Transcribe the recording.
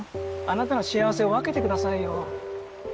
あなたの幸せを分けてくださいよ。